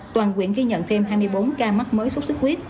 toàn quyển ghi nhận thêm hai mươi bốn ca mắc mới sốt xuất huyết